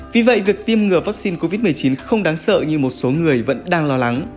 vì vậy việc tiêm ngừa vaccine covid một mươi chín không đáng sợ như một số người vẫn đang lo lắng